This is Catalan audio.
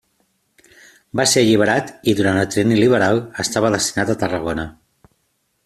Va ser alliberat, i durant el Trienni liberal estava destinat a Tarragona.